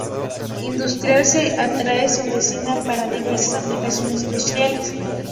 Industrial: Se extrae su resina para diversas aplicaciones industriales.